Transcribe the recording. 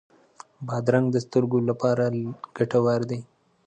بادرنګ د سترګو لپاره ګټور دی.